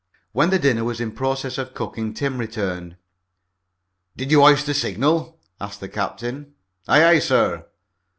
When the dinner was in process of cooking Tim returned. "Did you hoist the signal?" asked the captain. "Aye, aye, sir."